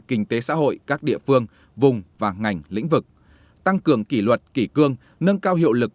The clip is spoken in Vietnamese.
kinh tế xã hội các địa phương vùng và ngành lĩnh vực tăng cường kỷ luật kỷ cương nâng cao hiệu lực